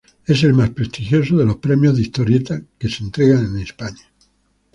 Es el más prestigioso de los premios de historieta que se entregan en España.